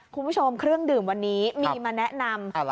คุณผู้ชมเครื่องดื่มวันนี้มีมาแนะนำ